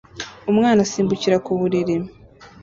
Umwana asimbukira ku buriri